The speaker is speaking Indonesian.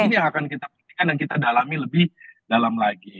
ini yang akan kita pastikan dan kita dalami lebih dalam lagi